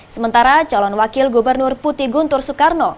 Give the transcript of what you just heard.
sementara calon wakil gubernur putih guntur soekarno